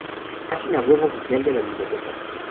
Página web oficial de la biblioteca